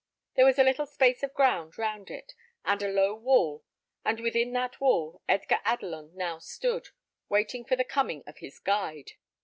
There was a little space of ground round it, and a low wall; and within that wall Edgar Adelon now stood, waiting for the coming of his guide.